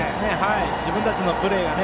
自分たちのプレーをね。